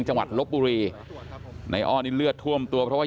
จังหวัดลกปุรีในอ้อนิเลือดทวมตัวเพราะว่า